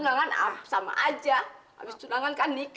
jangan sampai kamu menyalahkan nenek